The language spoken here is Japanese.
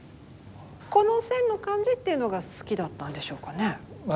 この線の感じっていうのが好きだったんでしょうかね？